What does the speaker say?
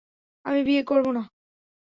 আমি বিয়ে করব না।